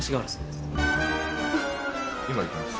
今行きます。